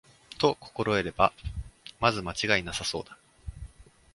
と心得れば、まず間違いはなさそうだ